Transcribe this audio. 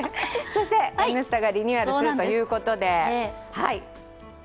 「Ｎスタ」がリニューアルするということで。